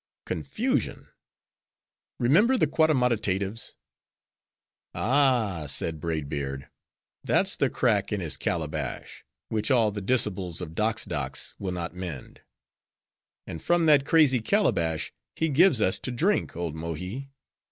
Confusion! Remember the Quadammodatatives!" "Ah!" said Braid Beard, "that's the crack in his calabash, which all the Dicibles of Doxdox will not mend." "And from that crazy calabash he gives us to drink, old Mohi."